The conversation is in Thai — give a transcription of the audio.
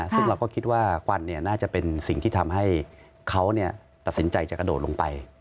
ซึ่งเราก็คิดว่าควันน่าจะเป็นสิ่งที่ทำให้เขาตัดสินใจจะกระโดดลงไป